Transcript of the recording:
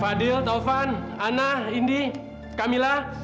fadil taufan ana indi camillah